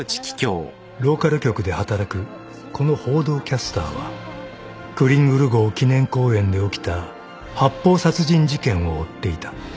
［ローカル局で働くこの報道キャスターはクリングル号記念公園で起きた発砲殺人事件を追っていた］